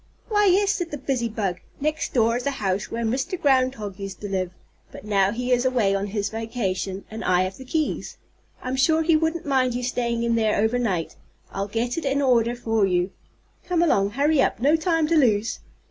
"Why, yes," said the busy bug. "Next door is a house where Mr. Groundhog used to live. But now he is away on his vacation, and I have the keys. I'm sure he wouldn't mind you staying in there over night. I'll get it in order for you. Come along, hurry up, no time to lose!"